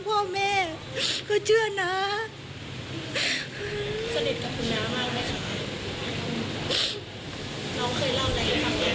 โดยสมชาติ